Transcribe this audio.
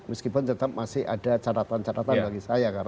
meskipun tetap masih ada catatan catatan bagi saya